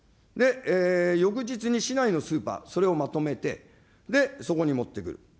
翌日に市内のスーパー、それをまとめて、そこに持ってくる。